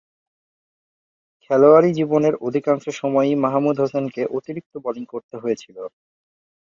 খেলোয়াড়ী জীবনের অধিকাংশ সময়ই মাহমুদ হোসেনকে অতিরিক্ত বোলিং করতে হয়েছিল।